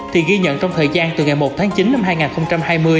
thì ghi nhận trong thời gian từ ngày một tháng chín năm hai nghìn hai mươi